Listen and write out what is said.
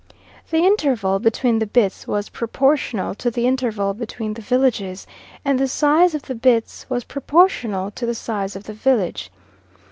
The interval between the bits was proportional to the interval between the villages, and the size of the bits was proportional to the size of the village.